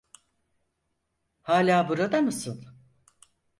Hâlâ burada mısın?